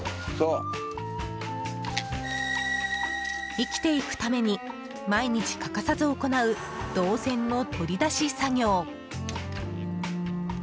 生きていくために毎日欠かさず行う銅線の取り出し作業。